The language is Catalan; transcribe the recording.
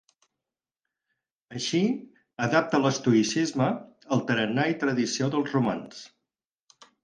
Així, adapta l'estoïcisme al tarannà i tradició dels romans.